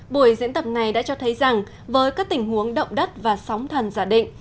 buổi diễn tập này đã cho thấy rằng với các tình huống động đất và sóng thần giả định